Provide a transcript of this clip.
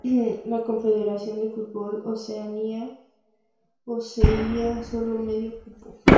La Confederación de Fútbol oceánica poseía solo medio cupo.